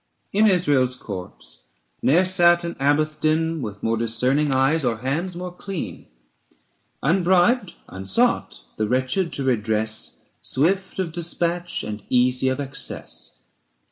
In Israel's courts ne'er sat an Abbejthdin [^4*. With more discerning eyes or hands more clean, Unbribed, unsought, the wretched to redress, 190 Swift of despatch and easy of access.